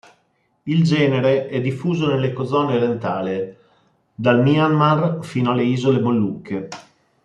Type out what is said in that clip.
Il genere è diffuso nell'Ecozona orientale, dal Myanmar fino alle Isole Molucche.